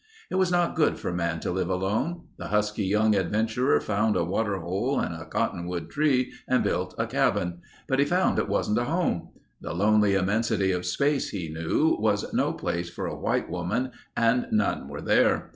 It was not good for man to live alone. The husky young adventurer found a water hole and a cottonwood tree and built a cabin. But he found it wasn't a home. The lonely immensity of space he knew, was no place for a white woman and none were there.